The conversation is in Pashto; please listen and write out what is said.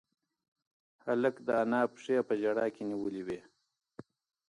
هلک د انا پښې په ژړا کې نیولې وې.